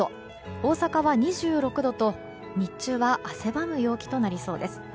大阪は２６度と日中は汗ばむ陽気となりそうです。